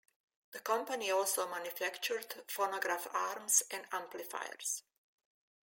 The company also manufactured phonograph arms and amplifiers.